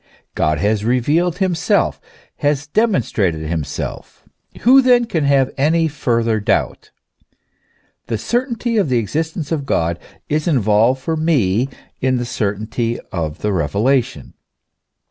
God has revealed himself, has demonstrated himself: who then can have any further doubt? The certainty of the existence of God is involved for me in the certainty of the revelation.